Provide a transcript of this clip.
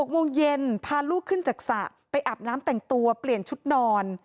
๖โมงเย็นพาลูกขึ้นจากสระไปอาบน้ำแต่งตัวเปลี่ยนชุดนอน